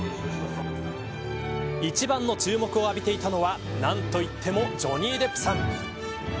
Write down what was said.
一番の注目を浴びていたのは何といってもジョニー・デップさん。